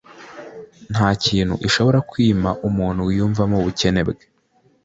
nta kintu ishobora kwima umuntu wiyumvamo ubukene bwe